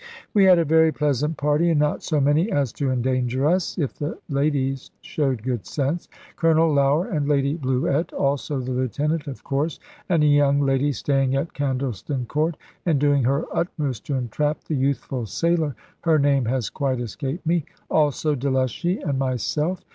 We had a very pleasant party, and not so many as to endanger us, if the ladies showed good sense. Colonel Lougher and Lady Bluett, also the lieutenant, of course, and a young lady staying at Candleston Court, and doing her utmost to entrap the youthful sailor her name has quite escaped me also Delushy, and myself.